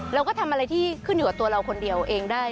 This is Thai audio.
เราก็ทำอะไรที่ขึ้นอยู่กับตัวเราคนเดียวเองได้